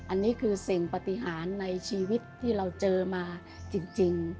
อันนี้คือสิ่งปฏิหารในชีวิตที่เราเจอมาจริง